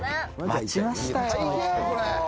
待ちましたよ。